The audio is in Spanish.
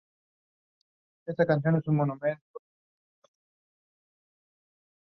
El Colegio había cumplido con la misión que le asignaron sus creadores.